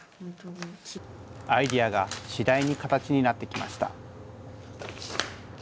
アイデアが次第に形になってきました。